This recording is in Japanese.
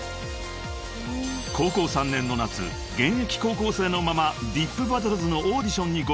［高校３年の夏現役高校生のままｄｉｐＢＡＴＴＬＥＳのオーディションに合格］